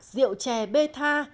rượu chè bê tha